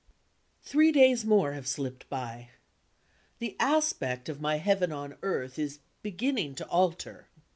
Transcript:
Three days more have slipped by. The aspect of my heaven on earth is beginning to alter.